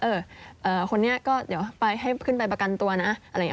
คนนี้ก็เดี๋ยวไปให้ขึ้นไปประกันตัวนะอะไรอย่างนี้